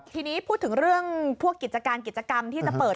ทีนี้พูดถึงเรื่องพวกกิจการกิจกรรมที่จะเปิด